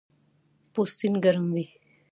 پوستین ګرم وي